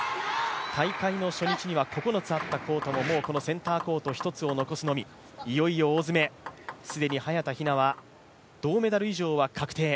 大会の初日には９つあったコートももうセンターコート１つを残すのみいよいよ大詰め、既に早田ひなは銅メダル以上は確定。